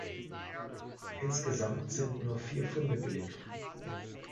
Insgesamt sind nur vier Funde belegt.